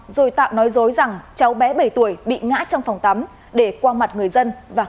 rồi tạo nói dối rằng cháu bé bảy tuổi bị ngã trong phòng tắm để qua mặt người dân và